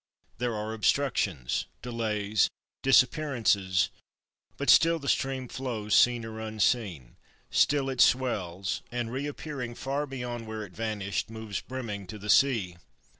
There are obstructions, delays, disappearances; but still the stream flows, seen or unseen, still it swells, and reappearing far beyond where it vanished, moves brimming to the sea.